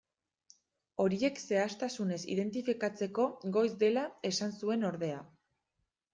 Horiek zehaztasunez identifikatzeko goiz dela esan zuen ordea.